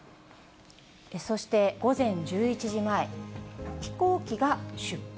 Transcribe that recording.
そして午前１１時前、飛行機が出発。